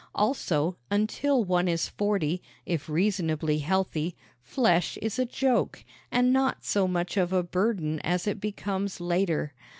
Also, until one is forty, if reasonably healthy, flesh is a joke, and not so much of a burden as it becomes later.